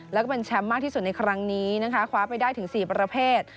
แล้วก็เป็นแชมป์มากที่สุดในครั้งนี้นะคะคว้าไปได้ถึง๔ประเภท